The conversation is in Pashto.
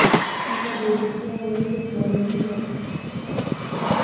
هغه د رښتيا ويلو پلوی و.